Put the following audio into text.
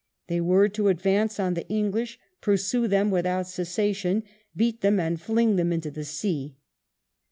They were to " advance on the English, pursue them without cessation, beat them, and fling them into the sea."